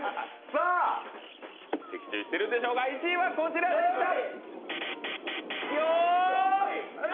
さあ、的中してるんでしょうか、１位はこちらでした！